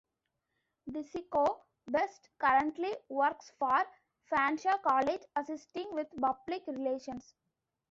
DeCicco-Best currently works for Fanshawe college assisting with public relations.